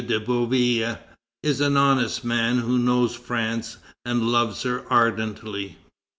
de Bouillé is an honest man who knows France and loves her ardently.